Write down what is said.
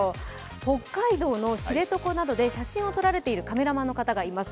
北海道の知床などで写真を撮られているカメラマンの方がいます。